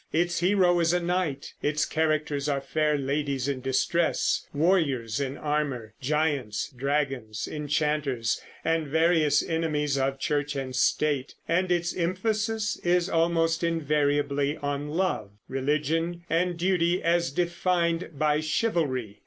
Its hero is a knight; its characters are fair ladies in distress, warriors in armor, giants, dragons, enchanters, and various enemies of Church and State; and its emphasis is almost invariably on love, religion, and duty as defined by chivalry.